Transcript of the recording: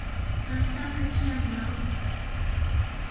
Hla sak ka thiam lo.